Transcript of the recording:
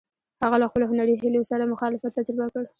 هغه له خپلو هنري هیلو سره مخالفت تجربه کړ.